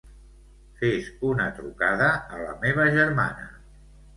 Fes una trucada a la meva germana.